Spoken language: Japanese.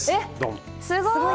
すごい！